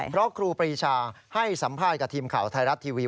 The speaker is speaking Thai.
เพราะครูปรีชาให้สัมภาษณ์กับทีมข่าวไทยรัฐทีวี